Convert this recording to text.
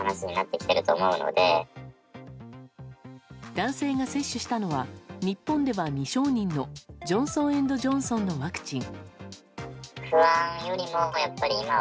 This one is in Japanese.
男性が接種したのは日本では未承認のジョンソン・エンド・ジョンソンのワクチン。